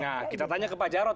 nah kita tanya ke pak jarod